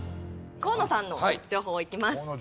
河野さんの情報いきます。